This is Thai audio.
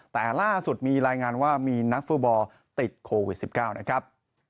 แต่ล่าสุดมีรายงานว่ามีนักฟุตบอลติดโควิด๑๙นะครับ